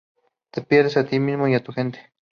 Te pierdes a ti mismo y a tu gente.